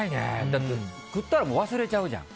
だって、食ったら忘れちゃうじゃん。